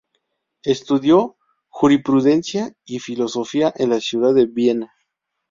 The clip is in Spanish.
Estudió Jurisprudencia y Filosofía en la ciudad de Viena.